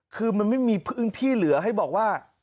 คือมันไม่มีพื้นที่เหลือให้บอกว่า